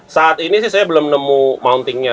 saat ini sih saya belum nemu mountingnya